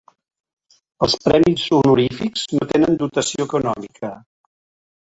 Els premis honorífics no tenen dotació econòmica.